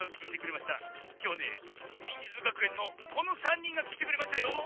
きょうねにんじゅつがくえんのこの３にんがきてくれましたよ。